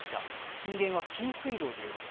震源は紀伊水道という場所。